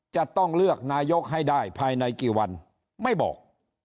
จะต้องเลือกนายกให้ได้ภายในกี่วันไม่บอก